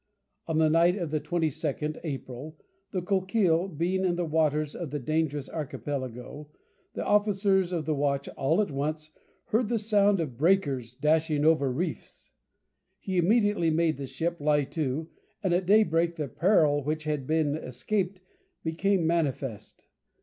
On the night of the 22nd April, the Coquille being in the waters of the Dangerous Archipelago, the officer of the watch all at once heard the sound of breakers dashing over reefs. He immediately made the ship lie to, and at daybreak the peril which had been escaped became manifest.